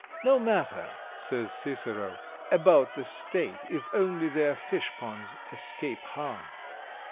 "No matter," says Cicero, "about the state, if only their fish ponds escape harm."